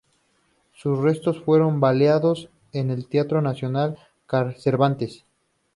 Sus restos fueron velados en el Teatro Nacional Cervantes.